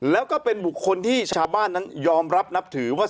แล้วก็เป็นบุคคลที่ชาวบ้านนั้นยอมรับนับถือว่า